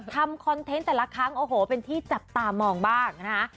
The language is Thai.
คอนเทนต์แต่ละครั้งโอ้โหเป็นที่จับตามองบ้างนะฮะ